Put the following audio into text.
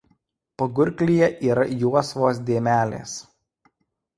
Pagurklyje yra juosvos dėmelės.